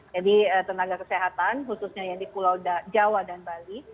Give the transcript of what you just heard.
jadi tenaga kesehatan khususnya yang di kulau jawa dan bali